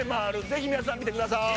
ぜひ皆さん見てください